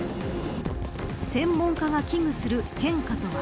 専門家が危惧する変化とは。